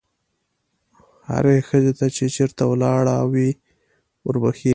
هرې ښځې ته چې چېرته ولاړه وي وربښې.